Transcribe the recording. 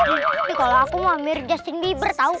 ini kalo aku mau mirip justin bieber tau